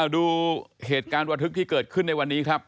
ดูเหตุการณ์ระทึกที่เกิดขึ้นในวันนี้ครับ